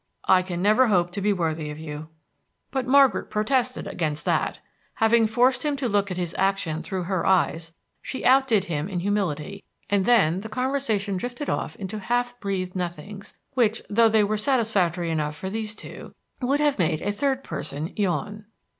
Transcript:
"I can never hope to be worthy of you." But Margaret protested against that. Having forced him to look at his action through her eyes, she outdid him in humility, and then the conversation drifted off into half breathed nothings, which, though they were satisfactory enough for these two, would have made a third person yawn.